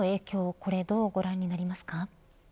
これどうご覧になりますか。